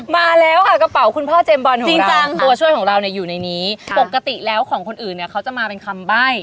มาแล้วค่ะกระเป๋าคุณพ่อเจมสบอลจริงจังตัวช่วยของเราเนี่ยอยู่ในนี้ปกติแล้วของคนอื่นเนี่ยเขาจะมาเป็นคำใบ้